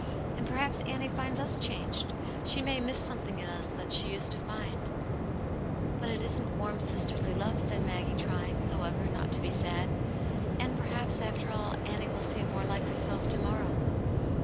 " And perhaps Annie flnds us changed ; she may miss something in us that she used to find." "But it isn't warm, sisterly love," said Maggie, trying, however, not to be sad. "And perhaps, after all, Annie will seem more like herself to morrow."